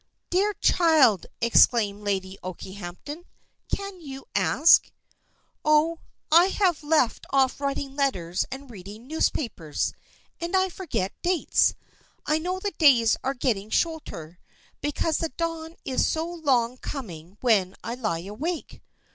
"Dear child," exclaimed Lady Okehampton, "can you ask?" "Oh, I have left off writing letters and reading newspapers, and I forget dates. I know the days are getting shorter, because the dawn is so long coming when I lie awake."